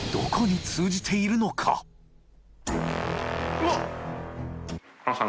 うわっ！